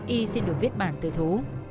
y xin được viết bản tự thú